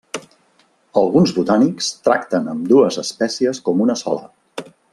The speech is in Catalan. Alguns botànics tracten ambdues espècies com una sola.